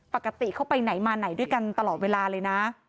ปกติเขาไปไหนมาไหนด้วยกันตลอดเวลาเลยนะ